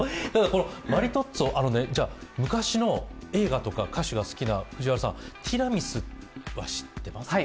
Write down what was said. マリトッツォ、あのね昔の映画とか歌手が好きなティラミスは知ってますかね？